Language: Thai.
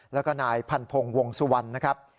แล้วก็นายพันพงศ์วงสุวรรณนะครับ